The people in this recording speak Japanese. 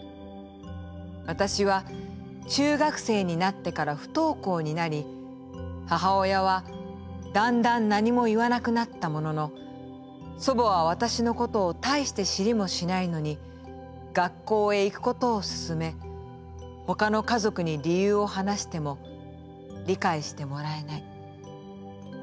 私は中学生になってから不登校になり母親は段々何も言わなくなったものの祖母は私の事を大して知りもしないのに学校へ行く事を勧め他の家族に理由を話しても理解して貰えない。